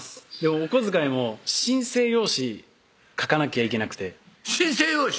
お小遣いも申請用紙書かなきゃいけなくて申請用紙？